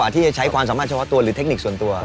ที่จะใช้ความสามารถเฉพาะตัวหรือเทคนิคส่วนตัว